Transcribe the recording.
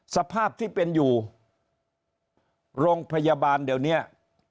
สภาพที่เป็นอยู่โรงพยาบาลเดี๋ยวนี้